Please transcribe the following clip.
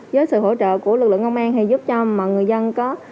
với sự hỗ trợ của lực lượng công an thì giúp cho mọi người dân có